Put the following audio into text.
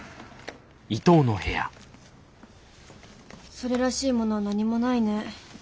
それらしいものは何もないね。